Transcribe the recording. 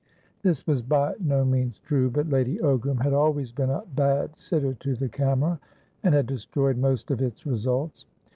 This was by no means true, but Lady Ogram had always been a bad sitter to the camera, and had destroyed most of its results.